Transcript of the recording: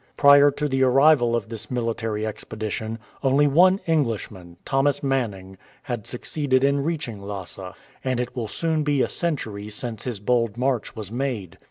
Prior to the arrival of this military expedition, only one Englishman, Thomas Mann ing, had succeeded in reaching Lhasa, and it will soon be a century since his bold march was made.